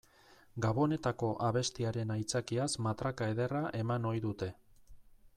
Gabonetako abestiaren aitzakiaz matraka ederra eman ohi dute.